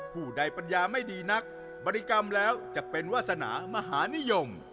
ผู้ใดปัญญาไม่ดีนักบริกรรมแล้วจะเป็นวาสนามหานิยม